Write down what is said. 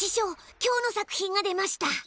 今日の作品が出ました！